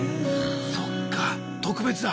そっか特別だ。